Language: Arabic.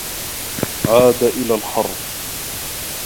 عاد إلى الحرب.